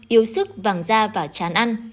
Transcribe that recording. yếu sức vàng da và chán ăn